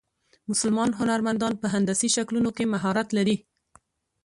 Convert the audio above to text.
مسلمان هنرمندان په هندسي شکلونو کې مهارت لري.